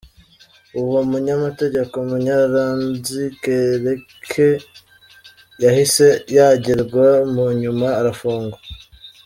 Uwo munyamategeko, Munyaradzi Kereke, yahise yagirwa munyuma arafungwa.